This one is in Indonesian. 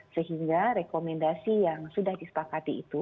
sehingga rekomendasi yang sudah disepakati itu